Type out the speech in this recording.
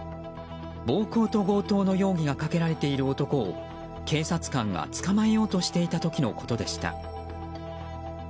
暴行と強盗の容疑がかけられている男を警察官が捕まえようとしていた時のことでした。